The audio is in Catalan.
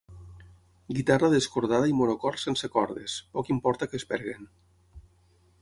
Guitarra descordada i monocord sense cordes, poc importa que es perdin.